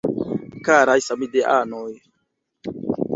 Karaj Samideanoj!